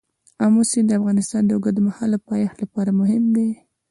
آمو سیند د افغانستان د اوږدمهاله پایښت لپاره مهم دی.